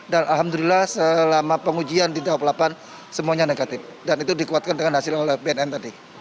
dan alhamdulillah selama pengujian di daoblapan semuanya negatif dan itu dikuatkan dengan hasil oleh bnn tadi